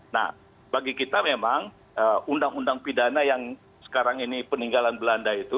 nah bagi kita memang undang undang pidana yang sekarang ini peninggalan belanda itu